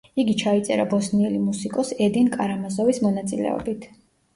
იგი ჩაიწერა ბოსნიელი მუსიკოს ედინ კარამაზოვის მონაწილეობით.